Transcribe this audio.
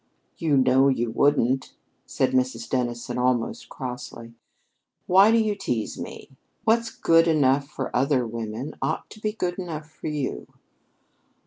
"You know you wouldn't," said Mrs. Dennison, almost crossly. "Why do you tease me? What's good enough for other women ought to be good enough for you."